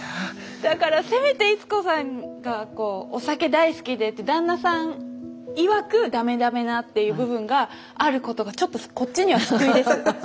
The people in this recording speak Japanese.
だからせめて逸子さんがお酒大好きで旦那さんいわく駄目駄目なっていう部分があることがちょっとこっちには救いです。